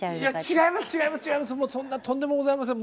違います。